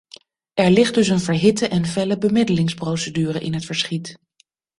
Er ligt dus een verhitte en felle bemiddelingsprocedure in het verschiet.